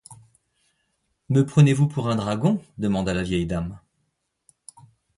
Me prenez-vous pour un dragon, demanda la vieille dame.